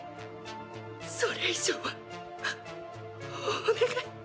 それ以上はお願い。